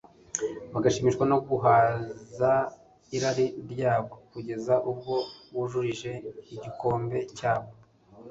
bagashimishwa no guhaza irari ryabo kugeza ubwo bujurije igikombe cyabo